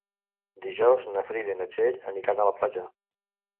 Dijous na Frida i na Txell aniran a la platja.